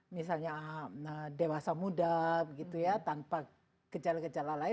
misalnya dewasa muda gitu ya tanpa kecala kecala lain